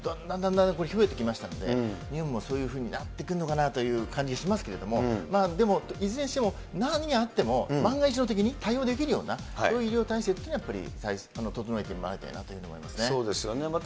だんだんこれ、増えてきましたので、日本もそういうふうになってくるのかなというふうに感じしますけれども、でもいずれにしてもなんにあっても、万が一のときに対応できるような、そういう医療体制というのは整えてもらいたいなというふうそうですよね。